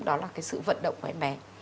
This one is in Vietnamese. đó là sự vận động của em bé